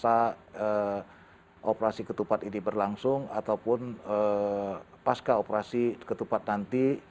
apakah operasi ketupat ini berlangsung ataupun pasca operasi ketupat nanti